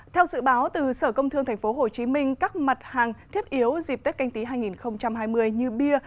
theo dự báo từ sở công thương tp hcm các mặt hàng thiết yếu dịp tết canh tí hai nghìn hai mươi như bia